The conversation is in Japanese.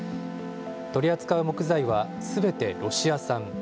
取り扱う木材はすべてロシア産。